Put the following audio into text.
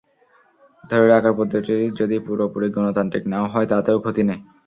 ধরে রাখার পদ্ধতিটি যদি পুরোপুরি গণতান্ত্রিক নাও হয়, তাতেও ক্ষতি নেই।